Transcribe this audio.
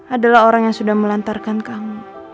adalah orang yang sudah melantarkan kamu